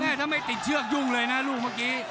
ถ้าไม่ติดเชือกยุ่งเลยนะลูกเมื่อกี้